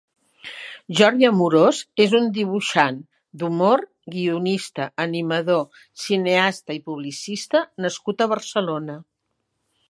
Jordi Amorós és un dibuixant d'humor, guionista, animador, cineasta i publicista nascut a Barcelona.